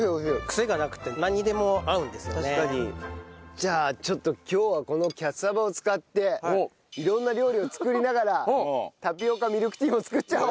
じゃあちょっと今日はこのキャッサバを使って色んな料理を作りながらタピオカミルクティーも作っちゃおう。